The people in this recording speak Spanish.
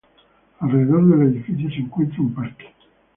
Alrededor del edificio se encuentra un parque.